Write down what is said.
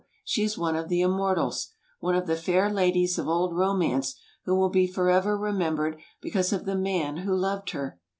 she is one of the immortals, one of the fair ladies of old romance who will be forever remembered because of the man who loved her.